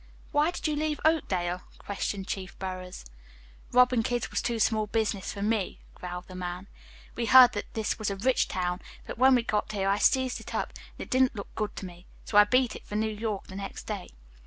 "Why did you leave Oakdale?" questioned Chief Burroughs. "Robbing kids was too small business for me," growled the man. "We heard this was a rich town, but when we got here I sized it up, and it didn't look good to me. So I beat it for New York the next day."